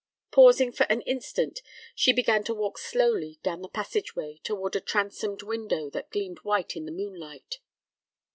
Pausing for an instant, she began to walk slowly down the passageway toward a transomed window that gleamed white in the moonlight.